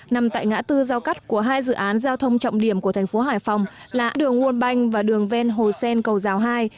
nằm tại ngã tư giao cắt của hai dự án giao thông trọng điểm của thành phố hải phòng là đường world bank và đường ven hồ sen cầu giáo hai